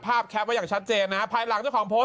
ภาพแคปว่าอย่างชัดเจนนะครับภายหลังเจ้าของโพสต์